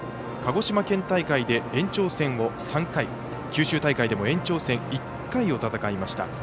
鹿児島県大会で延長戦を３回、九州大会でも延長戦１回を戦いました。